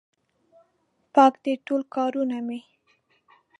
پاک دي ټول کارونه مې